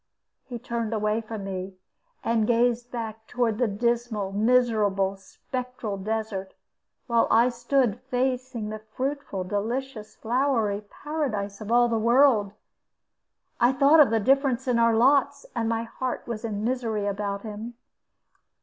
He turned away from me, and gazed back toward the dismal, miserable, spectral desert; while I stood facing the fruitful, delicious, flowery Paradise of all the world. I thought of the difference in our lots, and my heart was in misery about him.